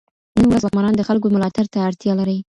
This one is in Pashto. نن ورځ واکمنان د خلګو ملاتړ ته اړتيا لري.